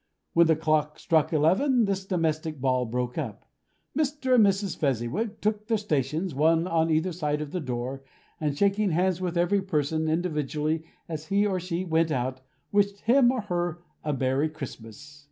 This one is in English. When the clock struck eleven, this domestic ball broke up. Mr. and Mrs. Fezziwig took their stations, one on either side the door, and shaking hands with every person individually as he or she went out, wished him or her a Merry Christmas.